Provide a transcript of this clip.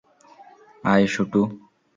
আয়, শুটু।